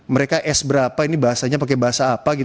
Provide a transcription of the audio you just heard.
mereka s berapa ini bahasanya pakai bahasa apa